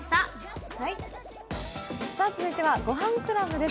続いては「ごはんクラブ」です。